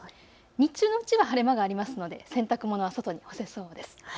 日中のうちは晴れ間がありますので洗濯物は外に干せそうです。